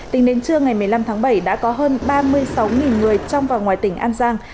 tính đến trưa ngày một mươi năm tháng bảy đã có hơn ba mươi sáu người trong và ngoài tỉnh an giang